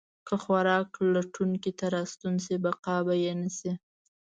که خوراک لټونکي ته راستون شي، بقا به یې نه شي.